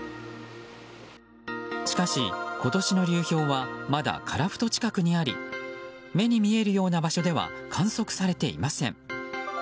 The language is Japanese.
しかし、今年の流氷はまだ樺太近くにあり目に見えるような場所では観測されていません。